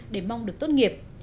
để mong được tốt nghiệp